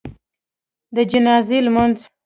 د جنازي لمونځ